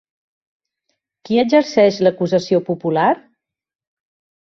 Qui exerceix l'acusació popular?